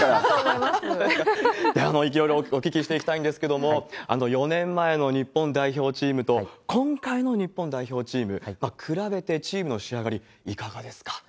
いろいろお聞きしていきたいと思うんですけれども、４年前の日本代表チームと、今回の日本代表チーム、比べてチームの仕上がり、いかがですか？